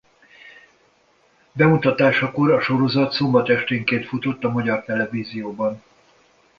Bemutatásakor a sorozat szombat esténként futott a Magyar Televízióban.